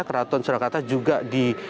kraton surakarta juga di